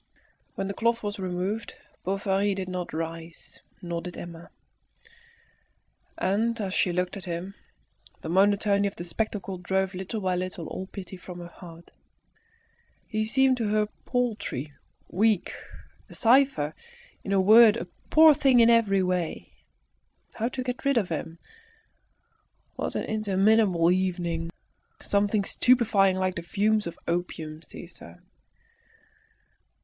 When the cloth was removed, Bovary did not rise, nor did Emma; and as she looked at him, the monotony of the spectacle drove little by little all pity from her heart. He seemed to her paltry, weak, a cipher in a word, a poor thing in every way. How to get rid of him? What an interminable evening! Something stupefying like the fumes of opium seized her.